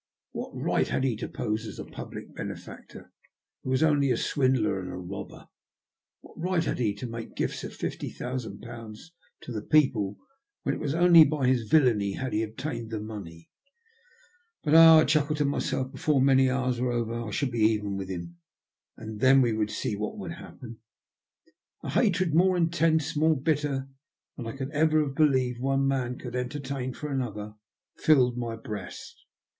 What right had he to pose as a public benefactor, who was only a swindler and a robber? What right had he to make gifts of fifty thousand pounds to the people, when it was only by his villainy he had obtained the money ? But ah ! I chuckled to myself, before many hours were over I should be even with him, and then we would see what would happen. A hatred more intense, more bitter, than I could ever have believed one man could enter tain for another, filled my breast.